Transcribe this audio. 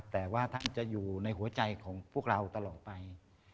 แต่ว่าท่านจะอยู่ในหัวใจของพวกเราตลอดไป